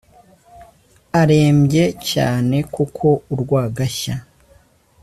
arembye cyane kuko urwagashya